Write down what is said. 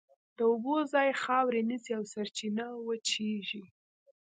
د اوبو ځای خاورې نیسي او سرچینه وچېږي.